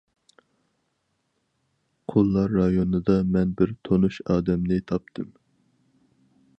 قۇللار رايونىدا مەن بىر تونۇش ئادەمنى تاپتىم.